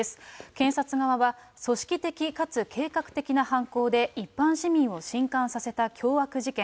検察側は、組織的かつ計画的な犯行で、一般市民をしんかんさせた凶悪事件。